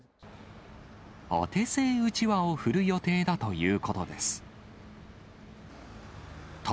お手製うちわを振る予定だということです。